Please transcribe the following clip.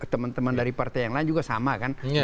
teman teman dari partai yang lain juga sama kan